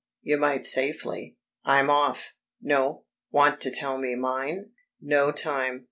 You might safely I'm off.... No.... Want to tell me mine?... No time....